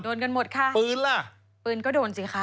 โดนกันหมดค่ะปืนล่ะปืนก็โดนสิคะ